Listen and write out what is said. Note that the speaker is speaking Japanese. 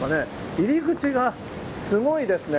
入り口がすごいですね。